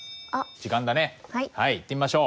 はい行ってみましょう。